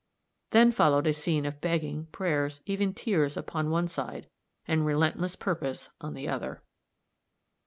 Then followed a scene of begging, prayers, even tears upon one side, and relentless purpose on the other.